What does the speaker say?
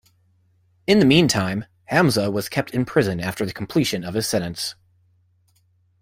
In the meantime, Hamza was kept in prison after the completion of his sentence.